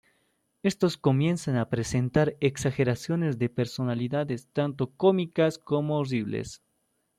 Estos comienzan a presentar exageraciones de personalidades tanto cómicas como horribles.